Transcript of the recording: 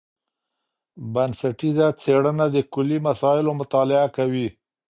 بنسټیزه څېړنه د کلي مسایلو مطالعه کوي.